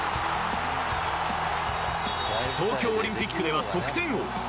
東京オリンピックでは得点王。